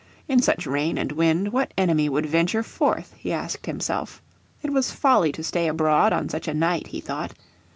In such rain and wind what enemy would venture forth? he asked himself. It was folly to stay abroad on such a night he thought.